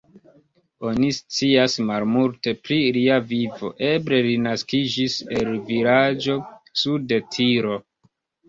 Oni scias malmulte pri lia vivo, eble li naskiĝis el vilaĝo sude Tiro.